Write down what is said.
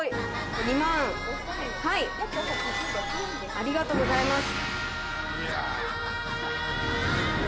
ありがとうございます。